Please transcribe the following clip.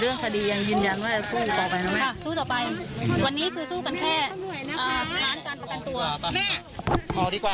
และมีความหวาดกลัวออกมา